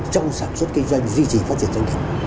trong sản xuất kinh doanh duy trì phát triển doanh nghiệp